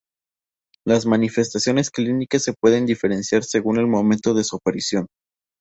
Las manifestaciones clínicas se pueden diferenciar según el momento de su aparición.